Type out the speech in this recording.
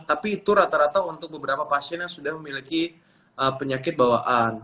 tapi itu rata rata untuk beberapa pasien yang sudah memiliki penyakit bawaan